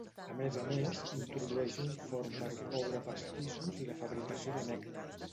A més a més, introdueix un forn per coure pastissos i la fabricació de nèctar.